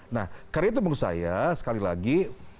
nah karena itu menurut saya sekali lagi